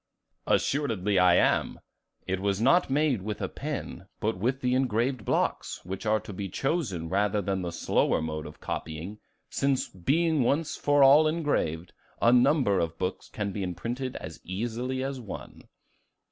"Assuredly I am; it was not made with a pen, but with the engraved blocks, which are to be chosen rather than the slower mode of copying, since being once for all engraved, a number of books can be imprinted as easily as one."